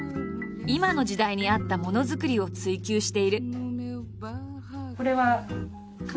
今の時代に合ったものづくりを追求している。